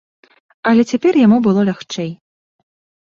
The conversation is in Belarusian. Але цяпер яму было лягчэй.